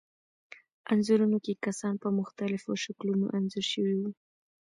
انځورونو کې کسان په مختلفو شکلونو انځور شوي وو.